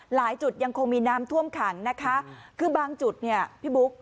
หลายจุดยังคงมีน้ำท่วมขังนะคะคือบางจุดเนี่ยพี่บุ๊ค